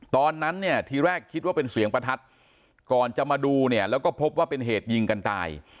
ตอนนั้นเนี่ยทีแรกคิดว่าเป็นเสียงประทัดก่อนจะมาดูเนี่ยแล้วก็พบว่าเป็นเหตุยิงกันตาย